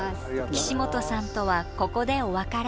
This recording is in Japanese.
岸本さんとはここでお別れ。